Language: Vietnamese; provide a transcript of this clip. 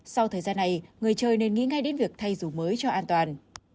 sau thời gian này người chơi nên nghĩ ngay đến việc thay dù mới cho an toàn